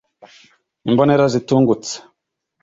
imbonera zitungutse